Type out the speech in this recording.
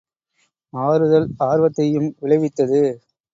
ஆறுதல் ஆர்வத்தையும் விளைவித்தது!